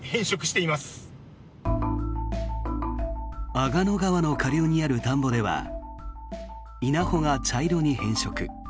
阿賀野川の下流にある田んぼでは稲穂が茶色く変色。